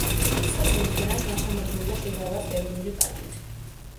სოფელი მთლიანად გარშემორტყმულია მტირალას ეროვნული პარკით.